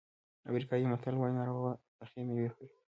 افریقایي متل وایي ناروغه پخې مېوې خوري.